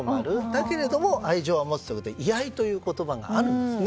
だけれども愛情は持つということで畏愛という言葉があるんです。